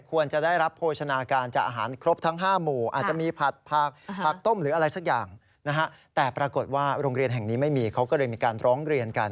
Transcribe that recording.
ว่าโรงเรียนแห่งนี้ไม่มีเขาก็เลยมีการร้องเรียนกัน